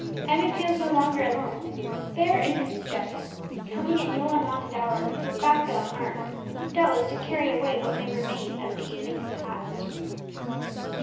Emmie feels no longer alone. There is Mrs. Jessel, coming at no unwonted hour, with basket on arm, doubtless to carry away what may remain of the evening's repast.